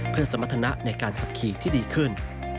เพื่อสมรรถนะในการขับขี่ที่ดีขึ้น